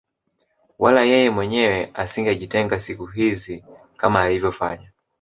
Wala yeye mwenyewe asingejitenga siku hizi kama alivyofanya